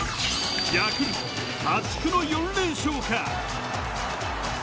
ヤクルト、破竹の４連勝か？